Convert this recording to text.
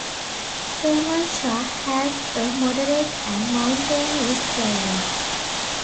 Kermanshah has a moderate and mountainous climate.